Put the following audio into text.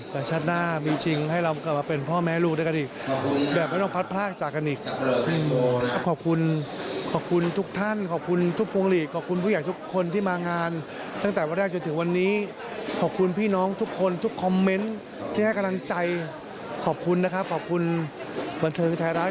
ขอบคุณนะครับขอบคุณบันเทิงไทยรัฐ